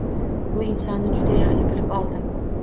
Bu insonni juda yaxshi bilib oldim.